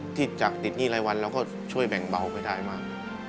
ช่วยจากติดณี่ไร้วันแล้วก็ช่วยแบ่งเบาไปได้มาก